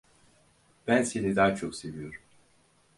Ben seni daha çok seviyorum.